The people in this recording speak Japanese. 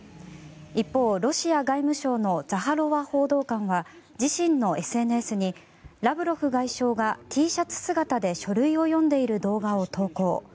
一方、ロシア外務省のザハロワ報道官は自身のＳＮＳにラブロフ外相がＴシャツ姿で書類を読んでいる動画を投稿。